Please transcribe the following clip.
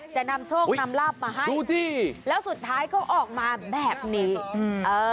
จะนำโชคนำลาบมาให้ดูสิแล้วสุดท้ายก็ออกมาแบบนี้อืมเออ